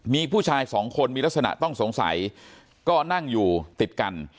มีผู้ชายสองคนมีลักษณะต้องสงสัยก็นั่งอยู่ติดกัน